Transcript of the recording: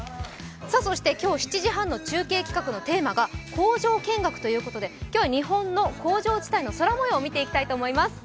そして今日７時半の中継企画のテーマが工場見学ということで今日は日本の工場地帯の空もようを見ていきたいと思います。